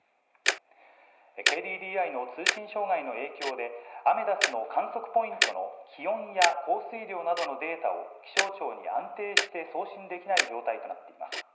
ＫＤＤＩの通信障害の影響で、アメダスの観測ポイントの気温や降水量などのデータを気象庁に安定して送信できない状態となっています。